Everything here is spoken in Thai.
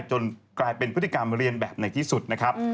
จนกลายเป็นพฤติกรรมเรียนแบบในที่สุดนะครับ